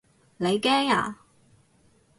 你驚啊？